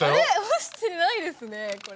干してないですねこれ。